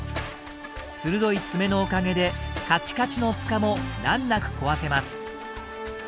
鋭い爪のおかげでカチカチの塚も難なく壊せます。